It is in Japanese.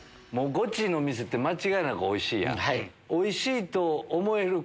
ゴチの店って間違いなくおいしいやん。